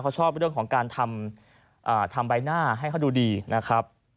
เขาชอบเรื่องของการทำใบหน้าให้เขาดูดีนะครับ